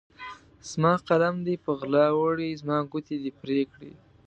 زما قلم دې په غلا وړی، زما ګوتې دي پرې کړي